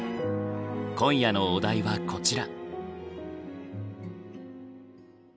今夜のお題はこちら。